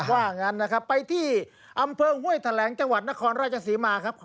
ว่างั้นนะครับไปที่อำเภอห้วยแถลงจังหวัดนครราชศรีมาครับ